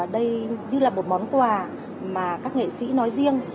đây như là một món quà mà các nghệ sĩ nói riêng